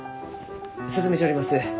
進めちょります。